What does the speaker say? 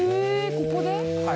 ここで？